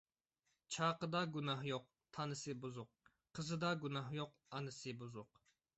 چاقىدا گۇناھ يوق، تانىسى بۇزۇق. قىزىدا گۇناھ يوق، ئانىسى بۇزۇق.